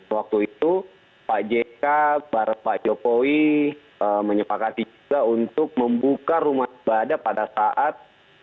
waktu itu pak jk pak jokowi menyepakati juga untuk membuka rumah ibadah pada saat